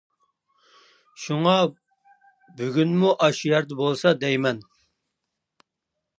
شۇڭا بۈگۈنمۇ ئاشۇ يەردە بولسام دەيمەن.